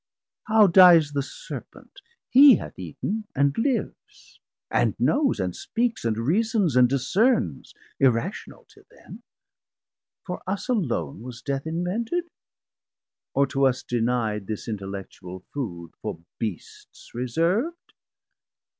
How dies the Serpent? hee hath eat'n and lives, And knows, and speaks, and reasons, and discernes, Irrational till then. For us alone Was death invented? or to us deni'd This intellectual food, for beasts reserv'd?